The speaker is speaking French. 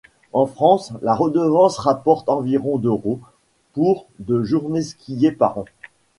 En France, la redevance rapporte environ d'euros pour de journées skiées par an.